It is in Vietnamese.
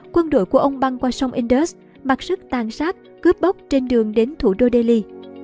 quân đội của ông băng qua sông indust mặc sức tàn sát cướp bốc trên đường đến thủ đô delhi